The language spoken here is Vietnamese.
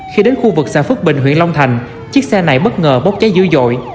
khi đến khu vực xã phước bình huyện long thành chiếc xe này bất ngờ bốc cháy dữ dội